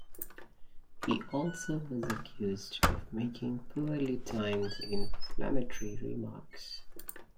He also was accused of making poorly timed inflammatory remarks.